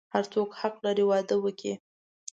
هر څوک حق لری واده وکړی